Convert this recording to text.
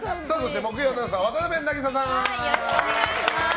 木曜アナウンサーは渡邊渚さん。